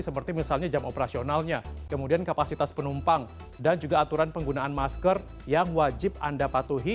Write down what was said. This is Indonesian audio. seperti misalnya jam operasionalnya kemudian kapasitas penumpang dan juga aturan penggunaan masker yang wajib anda patuhi